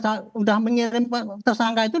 sudah mengirim tersangka itu